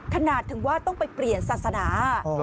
ขนาดถึงว่าต้องไปเปลี่ยนศาสนา